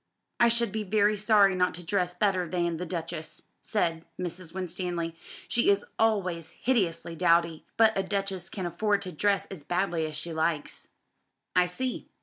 "I should be very sorry not to dress better than the Duchess," said Mrs. Winstanley, "she is always hideously dowdy. But a duchess can afford to dress as badly as she likes." "I see.